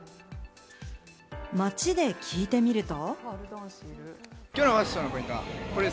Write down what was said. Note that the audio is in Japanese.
街で聞いてみると。